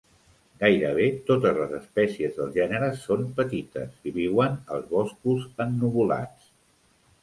Gairebé totes les espècies del gènere són petites i viuen als boscos ennuvolats.